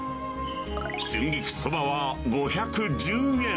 春菊そばは５１０円。